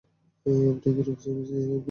আপনি কি room service থেকে বলছেন?